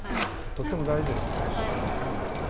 とっても大事ですよね。